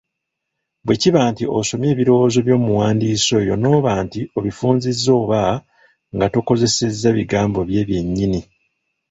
Bwe kiba nti osomye ebirowoozo by’omuwandiisi oyo n'oba nti obifunzizza oba nga tokozesezza bigambo bye byennyini.